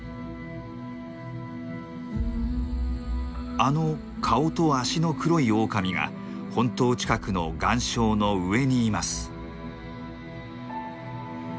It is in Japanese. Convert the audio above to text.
あの顔と脚の黒いオオカミが本島近くの岩礁の上にいます。